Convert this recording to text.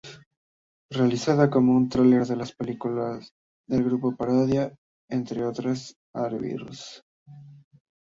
Realizada como un trailer de películas, el grupo parodia, entre otros a The Beatles.